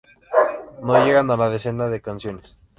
No llegan a la decena de canciones.